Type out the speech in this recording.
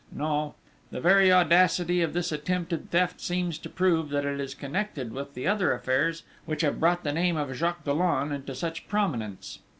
"No, the very audacity of this attempted theft seems to prove, that it is connected with the other affairs which have brought the name of Jacques Dollon into such prominence!